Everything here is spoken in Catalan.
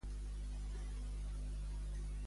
Quina mena de toro va torejar?